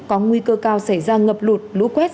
có nguy cơ cao xảy ra ngập lụt lũ quét